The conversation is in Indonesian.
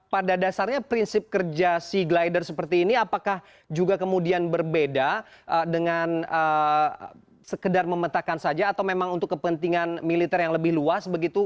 pada dasarnya prinsip kerja sea glider seperti ini apakah juga kemudian berbeda dengan sekedar memetakan saja atau memang untuk kepentingan militer yang lebih luas begitu